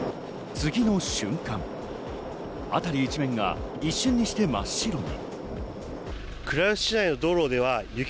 次の瞬間、辺り一面が一瞬にして真っ白に。